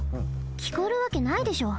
きこえるわけないでしょ。